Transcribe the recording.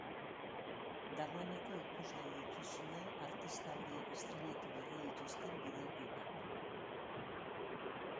Dagoeneko ikusgai dituzue artista horiek estreinatu berri dituzten bideoklipak.